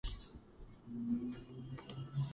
იგი მწერლის სიცოცხლეშივე რამდენიმეჯერ დაიბეჭდა.